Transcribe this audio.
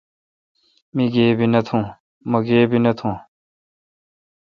مہ گیبی نہ تھون۔